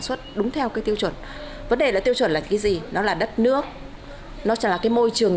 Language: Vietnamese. xuất đúng theo cái tiêu chuẩn vấn đề là tiêu chuẩn là cái gì nó là đất nước nó chả là cái môi trường